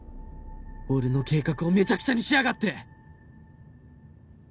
俺の計画をめちゃくちゃにしやがって！